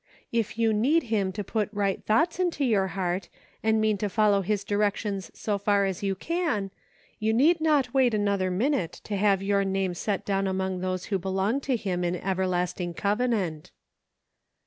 If you need him to put right thoughts into your heart, and mean to follow his directions so far as you can, you need not wait another minute to have your name set down among those who belong to him in everlasting covenant."